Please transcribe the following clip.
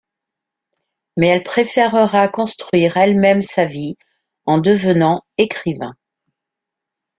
Mais elle préférera construire elle-même sa vie en devenant écrivain.